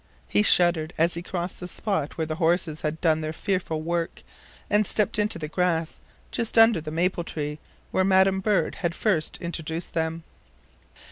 He shuddered as he crossed the spot where the horses had done their fearful work, and stepped into the grass, just under the maple tree where madam bird had first introduced them.